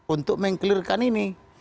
untuk mengkelirkan ini